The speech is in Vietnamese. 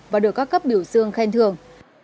và được các cấp biểu xương khen thường